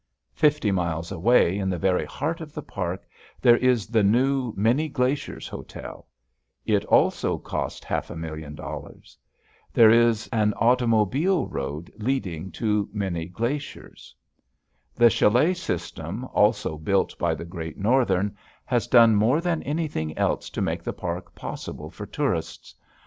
Fifty miles away in the very heart of the park there is the new Many Glaciers Hotel. It also cost a half million dollars. There is an automobile road leading to Many Glaciers. [Illustration: VIEW FROM DINING ROOM, MANY GLACIER HOTEL] The chalet system, also built by the Great Northern, has done more than anything else to make the park possible for tourists.